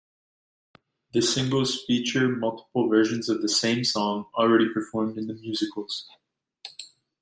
The singles feature multiple versions of the same song, already performed in the musicals.